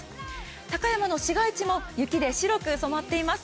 高山の市街地も雪で白く染まっています。